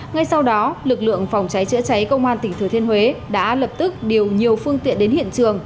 ngay sau đó lực lượng phòng cháy chữa cháy công an tỉnh thừa thiên huế đã lập tức điều nhiều phương tiện đến hiện trường